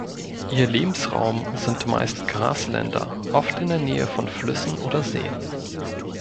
Ihr Lebensraum sind meist Grasländer, oft in der Nähe von Flüssen oder Seen.